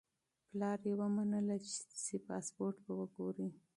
پلار یې ومنله چې پاسپورت به وګوري.